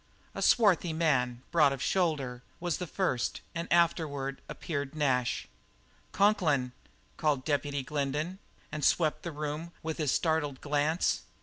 A swarthy man, broad of shoulder, was the first, and afterward appeared Nash. "Conklin?" called Deputy Glendin, and swept the room with his startled glance.